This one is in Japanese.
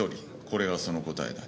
これがその答えだ。